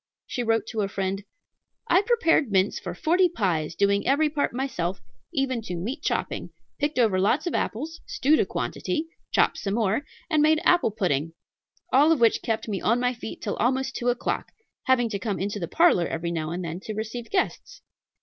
She wrote to a friend: "I prepared mince for forty pies, doing every part myself, even to meat chopping; picked over lots of apples, stewed a quantity, chopped some more, and made apple pudding; all of which kept me on my feet till almost two o'clock, having to come into the parlor every now and then to receive guests."